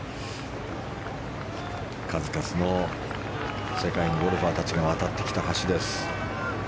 数々の世界のゴルファーたちが渡ってきた橋です。